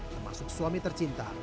termasuk suami tercinta